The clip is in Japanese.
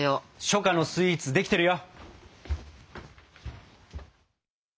初夏のスイーツできてるよ！